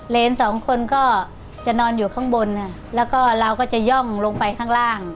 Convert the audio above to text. สองคนก็จะนอนอยู่ข้างบนแล้วก็เราก็จะย่องลงไปข้างล่าง